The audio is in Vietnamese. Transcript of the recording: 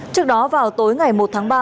trước đó vào tối ngày một tháng ba